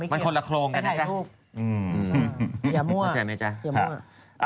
มันคนละโครงละจ๊ะ